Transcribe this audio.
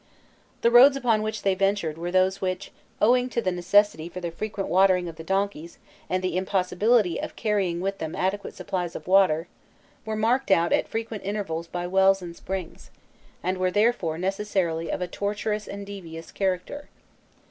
The roads upon which they ventured were those which, owing to the necessity for the frequent watering of the donkeys and the impossibility of carrying with them adequate supplies of water, were marked out at frequent intervals by wells and springs, and were therefore necessarily of a tortuous and devious character.